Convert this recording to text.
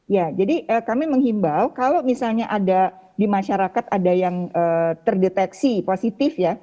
ya jadi kami menghimbau kalau misalnya ada di masyarakat ada yang terdeteksi positif ya